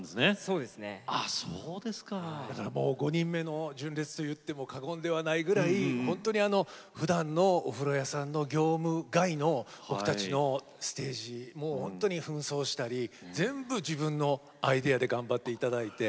もう５人目の純烈といっても過言ではないぐらいふだんのお風呂屋さんの業務外の僕たちのステージをふん装したり全部自分のアイデアで頑張って頂いて。